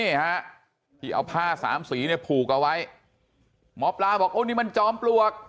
นี่นะพีเอาผ้า๓สีในผูกเอาไว้หมอปลาบอกโอ้ยนี่มันจองปลวก